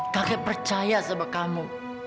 kakek percaya sama kamu